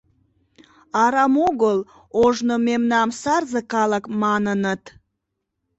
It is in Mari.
— Арам огыл ожно мемнам сарзе калык маныныт.